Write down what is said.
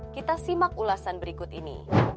kita simak ulasan berikut ini